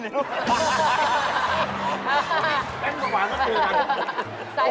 แม้เป็นเปล่าหวานก็เกลือมาเลย